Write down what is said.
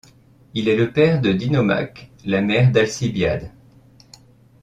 Il est le père de Dinomaque, la mère d'Alcibiade.